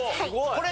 これ。